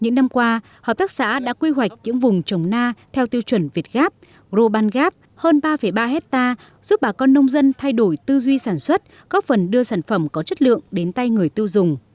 những năm qua hợp tác xã đã quy hoạch những vùng trồng na theo tiêu chuẩn việt gáp grobal gap hơn ba ba hectare giúp bà con nông dân thay đổi tư duy sản xuất góp phần đưa sản phẩm có chất lượng đến tay người tiêu dùng